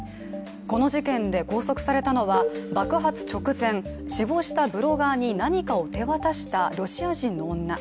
この事件で拘束されたのは、爆発直前、死亡したブロガーに何かを手渡したロシア人の女。